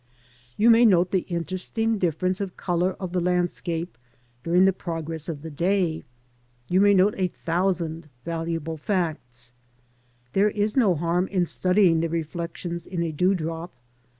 You may note the interesting difference of colour of the landscape during the progress of the day. You may note a thousand valuable facts. There is no harm in studying the reflections in a dewdrop.